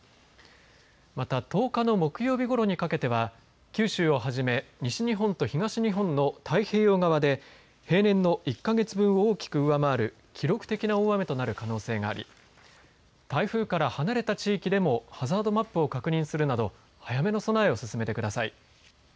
また、１０日の木曜日ごろにかけては九州をはじめ西日本と東日本の太平洋側で平年の１か月分を大きく上回る記録的な大雨となる可能性があり台風から離れた地域でもハザードマップを確認するなど早めの備えを進めてください。